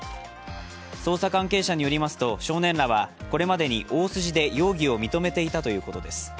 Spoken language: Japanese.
捜査関係者によりますと、少年らはこれまでに大筋で容疑を認めていたということです。